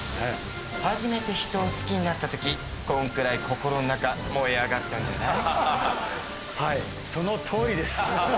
初めて人を好きになった時こんくらい心の中燃え上がったんじゃない？